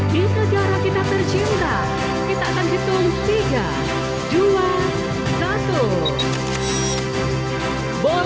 bagi para peran penghargaan